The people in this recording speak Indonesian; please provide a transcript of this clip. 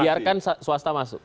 biarkan swasta masuk